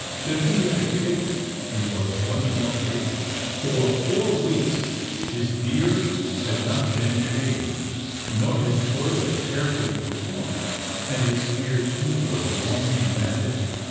—since he had escaped, and was once more free? For four weeks his beard had not been shaved, nor his toilette carefully performed; and his hair, too, was long and matted.